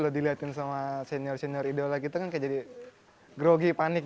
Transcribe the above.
kalau dilihatin sama senior senior idola kita kan kayak jadi grogi panik